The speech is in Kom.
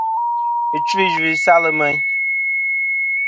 Ɨchfɨ̀-iyvɨ-i salɨ meyn.